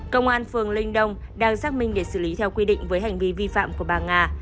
công an phường linh đông đang xác minh để xử lý theo quy định với hành vi vi phạm của bà nga